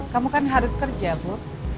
kamu kan harus kerja bu